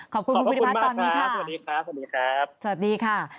ขอบคุณคุณพุทธิพัฒน์ตอนนี้ค่ะขอบคุณมากครับสวัสดีครับ